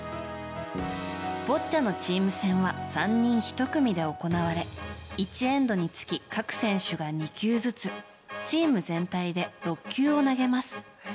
ボッチャのチーム戦は３人１組で行われ１エンドにつき各選手が２球ずつチーム全体で６球を投げます。